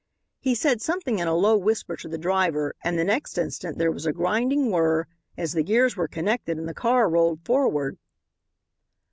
He said something in a low whisper to the driver and the next instant there was a grinding whirr as the gears were connected and the car rolled forward.